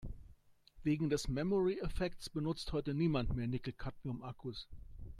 Wegen des Memory-Effekts benutzt heute niemand mehr Nickel-Cadmium-Akkus.